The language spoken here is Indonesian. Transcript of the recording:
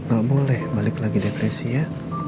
gak boleh balik lagi depresi ya